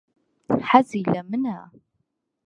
حەزی لە منە؟